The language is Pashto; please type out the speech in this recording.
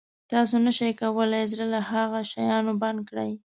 تاسو نه شئ کولای زړه له هغه شیانو بند کړئ.